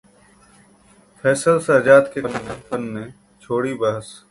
फैसल शहजाद के ‘कट्टरपन’ ने छेड़ी बहस